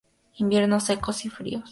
Inviernos secos y fríos.